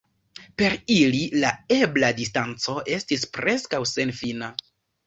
Per ili la ebla distanco estis preskaŭ senfina.